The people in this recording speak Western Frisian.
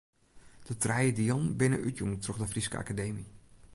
De trije dielen binne útjûn troch de Fryske Akademy.